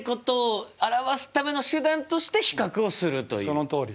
そのとおり。